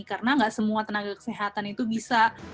karena nggak semua tenaga kesehatan itu bisa